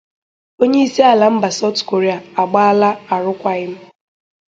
Onye isi ala mba South Koria agbaala arụkwaghị m